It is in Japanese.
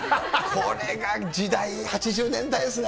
これが時代、８０年代ですね。